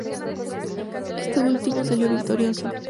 Este último salió victorioso.